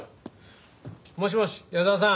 もしもし矢沢さん。